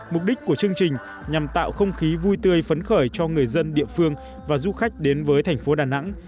mục đích của chương trình nhằm tạo không khí vui tươi phấn khởi cho người dân địa phương và du khách đến với thành phố đà nẵng